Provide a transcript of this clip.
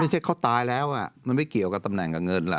เช็คเขาตายแล้วมันไม่เกี่ยวกับตำแหน่งกับเงินล่ะ